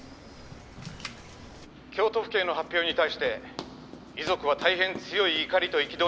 「京都府警の発表に対して遺族は大変強い怒りと憤りを感じています」